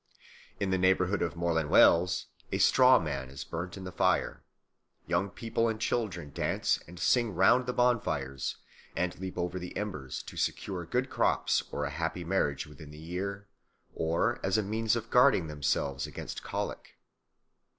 In the neighbourhood of Morlanwelz a straw man is burnt in the fire. Young people and children dance and sing round the bonfires, and leap over the embers to secure good crops or a happy marriage within the year, or as a means of guarding themselves against colic.